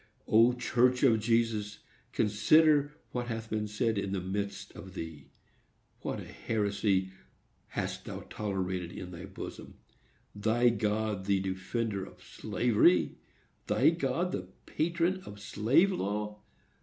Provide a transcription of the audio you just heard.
O, church of Jesus! consider what hath been said in the midst of thee. What a heresy hast thou tolerated in thy bosom! Thy God the defender of slavery!—thy God the patron of slave law!